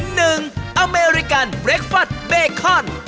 หนึ่งอเมริกันเบคฟอร์ตเบคอน